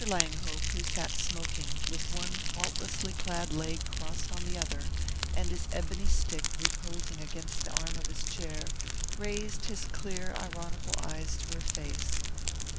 Langhope, who sat smoking, with one faultlessly clad leg crossed on the other, and his ebony stick reposing against the arm of his chair, raised his clear ironical eyes to her face.